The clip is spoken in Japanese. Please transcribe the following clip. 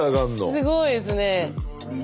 すごいですね。